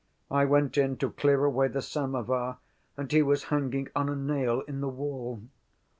"I went in to clear away the samovar and he was hanging on a nail in the wall."